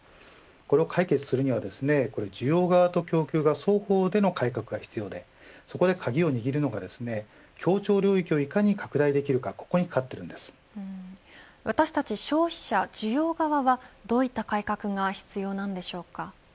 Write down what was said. これを解決するには需要側と供給側が双方での改革が必要でそこで鍵を握るのは協調領域をいかに拡大できるか私たち消費者、需要側はどういった改革が必要なんでしょうか。